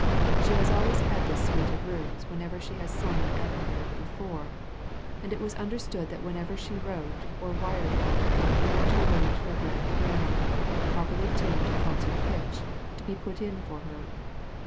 "She has always had this suite of rooms whenever she has sung in Edinburgh before, and it was understood that whenever she wrote or wired for them we were to arrange for a grand piano, properly tuned to concert pitch, to be put in for her.